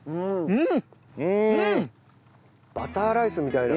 うん。